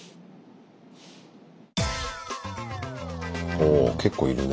おお結構いるね